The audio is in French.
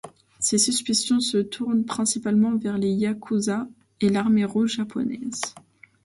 Ses suspicions se tournent principalement vers les Yakuzas et l'Armée rouge japonaise.